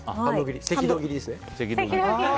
赤道切りですね。